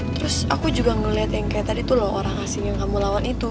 terus aku juga ngeliat yang kayak tadi tuh loh orang asing yang kamu lawan itu